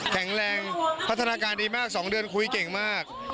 แข็งแรงพัฒนาการดีมาก๒เดือนคุยเก่งมาก